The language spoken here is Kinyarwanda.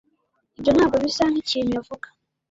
Ibyo ntabwo bisa nkikintu yavuga.